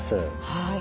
はい。